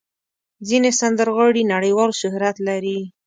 ځینې سندرغاړي نړیوال شهرت لري.